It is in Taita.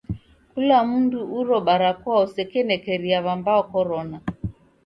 Kula mundu uro barakoa usekenekeria w'ambao korona.